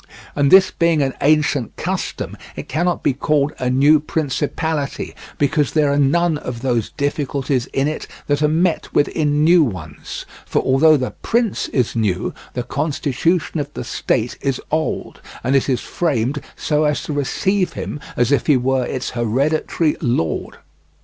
And this being an ancient custom, it cannot be called a new principality, because there are none of those difficulties in it that are met with in new ones; for although the prince is new, the constitution of the state is old, and it is framed so as to receive him as if he were its hereditary lord.